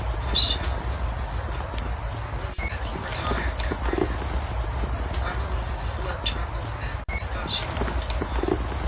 "Hush, child," said mother, quickly. "Elizabeth, you are tired. Come right in." Aunt Elizabeth's lip trembled a little. I thought she was going to cry.